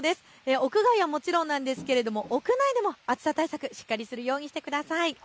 屋外はもちろんですが屋内でも暑さ対策、しっかりするようにしてください。